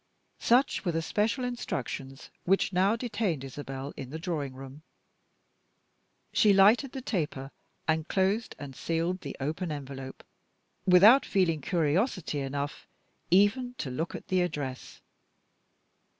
Such were the special instructions which now detained Isabel in the drawing room. She lighted the taper, and closed and sealed the open envelope, without feeling curiosity enough even to look at the address.